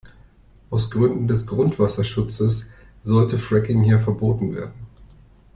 Aus Gründen des Grundwasserschutzes sollte Fracking hier verboten werden.